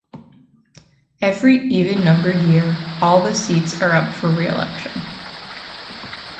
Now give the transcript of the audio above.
Every even-numbered year, all the seats are up for re-election.